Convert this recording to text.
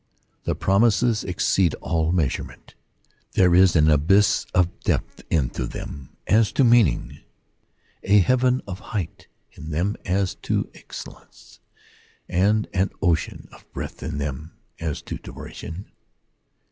" The promises exceed all measurement : there is an abyss of depth in them as to meaning, a heaven of height in them as to excellence, and an ocean of breadth in them as to duration.